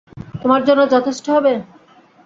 তোমার জন্যে যথেষ্ট হবে?